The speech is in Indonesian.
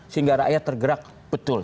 sehingga rakyat tergerak betul